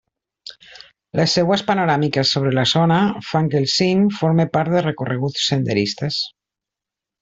Les seues panoràmiques sobre la zona fan que el cim forme part de recorreguts senderistes.